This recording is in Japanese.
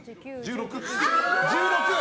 １６。